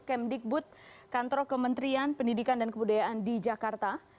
kem digbud kantor kementerian pendidikan dan kebudayaan di jakarta